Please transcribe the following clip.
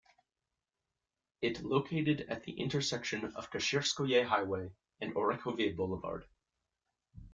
It located at the intersection of Kashirskoye Highway and Orekhovy Boulevard.